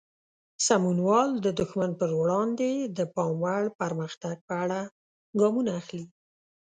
سمونوال د دښمن پر وړاندې د پام وړ پرمختګ په اړه ګامونه اخلي.